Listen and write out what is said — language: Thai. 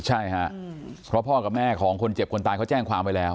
ใช่ค่ะเพราะพ่อกับแม่ของคนเจ็บคนตายเขาแจ้งความไว้แล้ว